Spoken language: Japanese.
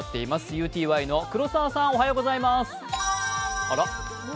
ＵＴＹの黒澤さん、おはようございます。